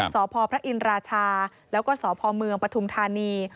สพพระอินราชาแล้วก็สพเมืองปฐุมธานี